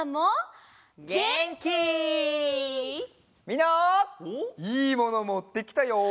みんないいものもってきたよ！